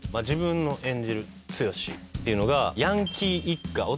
自分の演じる剛っていうのがヤンキー一家。